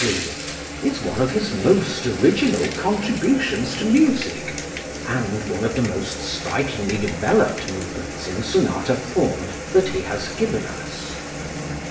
3), is one of his most original contributions to music, and one of the most strikingly developed movements in sonata form that he has given us.